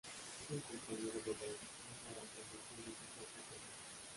Es un compañero de Dan, y es la reencarnación del sacerdote Amaro.